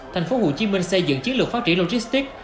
tp hcm xây dựng chiến lược phát triển logistic